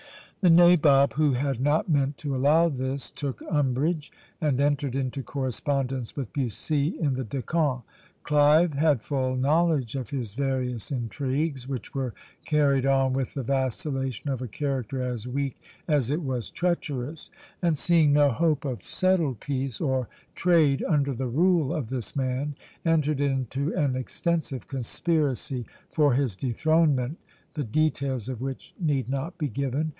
The nabob, who had not meant to allow this, took umbrage, and entered into correspondence with Bussy in the Deccan. Clive had full knowledge of his various intrigues, which were carried on with the vacillation of a character as weak as it was treacherous; and seeing no hope of settled peace or trade under the rule of this man, entered into an extensive conspiracy for his dethronement, the details of which need not be given.